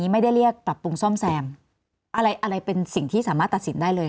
ไม่ได้เรียกปรับปรุงซ่อมแซมอะไรอะไรเป็นสิ่งที่สามารถตัดสินได้เลย